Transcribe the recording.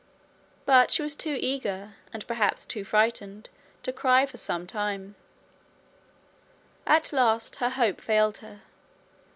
But she was too eager and perhaps too frightened to cry for some time. At last her hope failed her.